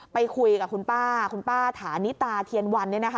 ไปคุยกับคุณป้าคุณป้าฐานิตาเทียนวัน